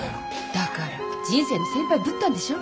だから人生の先輩ぶったんでしょ？